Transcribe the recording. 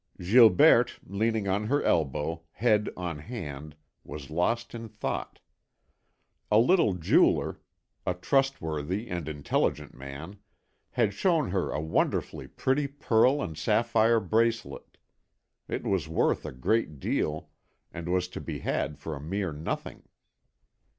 Gilberte, leaning on her elbow, head on hand, was lost in thought. A little jeweller, a trustworthy and intelligent man, had shown her a wonderfully pretty pearl and sapphire bracelet; it was worth a great deal, and was to be had for a mere nothing.